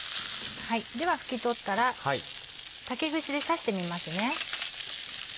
では拭き取ったら竹串で刺してみますね。